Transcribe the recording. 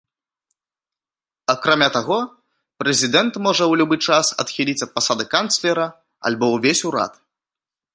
Акрамя таго, прэзідэнт можа ў любы час адхіліць ад пасады канцлера альбо ўвесь урад.